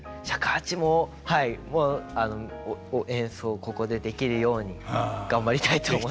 尺八もはいもう演奏をここでできるように頑張りたいと思います。